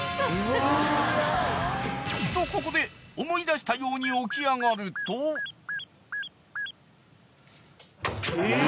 ［とここで思い出したように起き上がると］え！